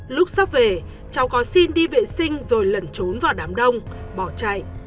lúc sắp về cháu có xin đi vệ sinh rồi lẩn trốn vào đám đông bỏ chạy